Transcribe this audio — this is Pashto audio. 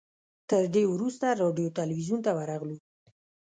تر دې وروسته راډیو تلویزیون ته ورغلو.